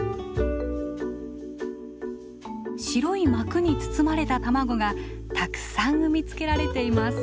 白い膜に包まれた卵がたくさん産み付けられています。